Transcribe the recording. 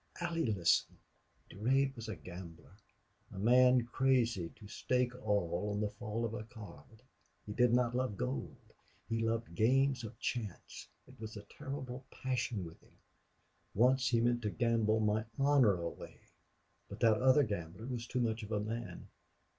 "Allie, listen. Durade was a gambler a man crazy to stake all on the fall of a card. He did not love gold. But he loved games of chance. It was a terrible passion with him. Once he meant to gamble my honor away. But that other gambler was too much of a man.